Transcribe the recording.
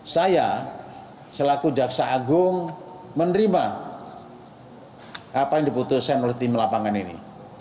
saya selaku jaksa agung menerima apa yang diputuskan oleh tim lapangan ini